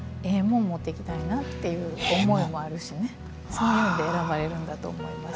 そういうので選ばれるんだと思います。